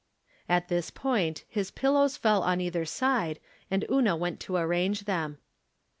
At this point his pillows felt on either side, and Una went to arrange them.